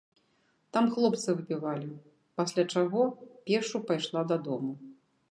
Там хлопцы выпівалі, пасля чаго пешшу пайшла дадому.